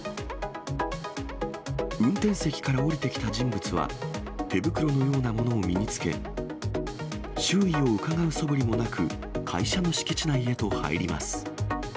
運転席から降りてきた人物は、手袋のようなものを身につけ、周囲をうかがうそぶりもなく、会社の敷地内へと入ります。